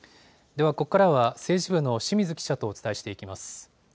では、ここからは政治部の清水記者とお伝えしていきます。